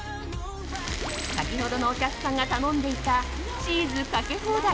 先ほどのお客さんが頼んでいたチーズかけ放題